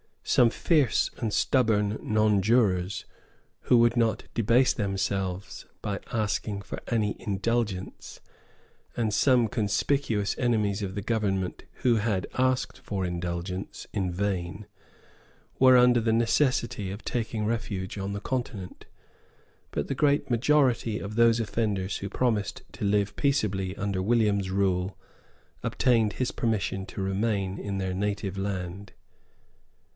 Some fierce and stubborn non jurors who would not debase themselves by asking for any indulgence, and some conspicuous enemies of the government who had asked for indulgence in vain, were under the necessity of taking refuge on the Continent. But the great majority of those offenders who promised to live peaceably under William's rule obtained his permission to remain in their native land.